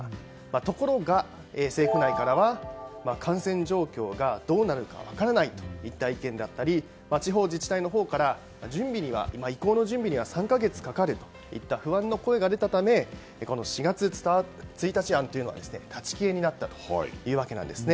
ところが、政府内からは感染状況がどうなるか分からないといった意見だったり地方自治体のほうから移行の準備には３か月かかるといった不安の声が出たため４月１日案というのは立ち消えになったというわけなんですね。